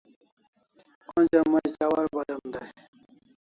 Onja mai chawar badem dai